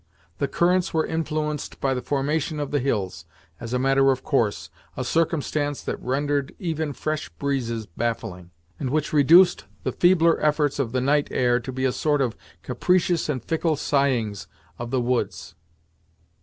The currents were influenced by the formation of the hills, as a matter of course, a circumstance that rendered even fresh breezes baffling, and which reduced the feebler efforts of the night air to be a sort of capricious and fickle sighings of the woods.